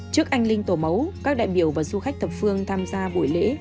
trước anh linh tổ mẫu các đại biểu và du khách thập phương tham gia buổi lễ